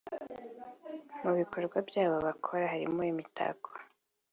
Mu bikorwa byabo bakora harimo imitako